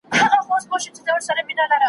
له غيرته ډکه مېنه `